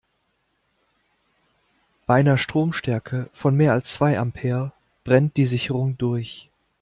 Bei einer Stromstärke von mehr als zwei Ampere brennt die Sicherung durch.